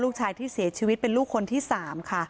ลูกชายที่เสียชีวิตเป็นลูกคนที่๓ค่ะ